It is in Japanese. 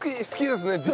好きですね。